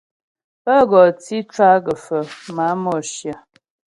Pə́ gɔ tǐ cwa gə́fə máa Mǒshyə.